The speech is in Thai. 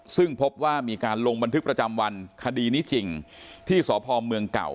ซึ่งพบว่ามีการลงบันทึกประจำวันคดีนี้จริงที่สพเมืองเก่า